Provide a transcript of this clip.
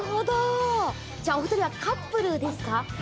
お２人はカップルですか？